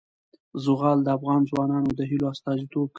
زغال د افغان ځوانانو د هیلو استازیتوب کوي.